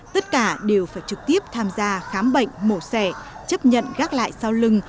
tất cả đều phải trực tiếp tham gia khám bệnh mổ xẻ chấp nhận gác lại sau lưng